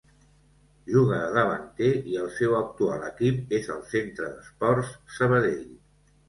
Juga de davanter i el seu actual equip és el Centre d'Esports Sabadell.